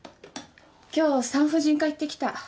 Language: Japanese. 今日産婦人科行ってきた。